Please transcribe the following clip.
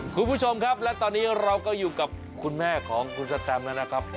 คุณผู้ชมครับและตอนนี้เราก็อยู่กับคุณแม่ของคุณสแตมแล้วนะครับ